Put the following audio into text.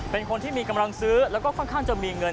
เป็นคนที่มีกำลังซื้อแล้วก็ค่อนข้างจะมีเงิน